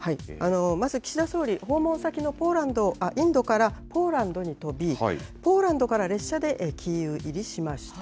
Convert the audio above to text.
まず岸田総理訪問先のポーランドインドからポーランドに飛びポーランドから列車でキーウ入りしました。